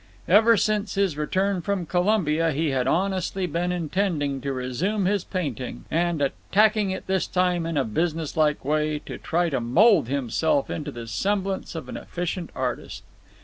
Ever since his return from Colombia he had honestly been intending to resume his painting, and, attacking it this time in a business like way, to try to mould himself into the semblance of an efficient artist.